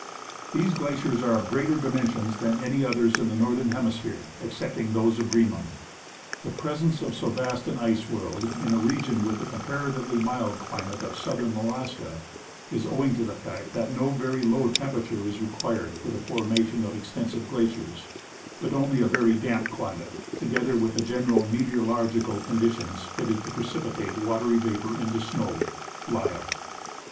These glaciers are of greater dimensions than any others in the northern hemisphere excepting those of Greenland. The presence of so vast an ice world in a region with the comparatively mild climate of southern Alaska is owing to the fact that no very low temperature is required for the formation of extensive glaciers, but only a very damp climate, together with the general meteoro logical conditions fitted to precipitate watery vapour into snow (Lyell).